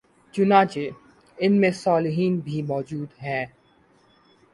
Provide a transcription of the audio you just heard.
چنانچہ ان میں صالحین بھی موجود ہیں